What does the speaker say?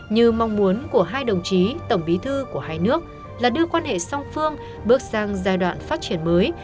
như mong muốn của hai đồng chí tổng bí thư của hai nước là đưa quan hệ song phương bước sang giai đoạn phát triển mới